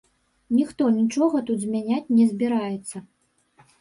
Ніхто нічога тут змяняць не збіраецца.